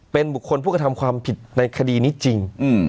เป็นบุคคลผู้กระทำความผิดในคดีนี้จริง